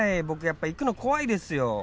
ぼくやっぱりいくのこわいですよ。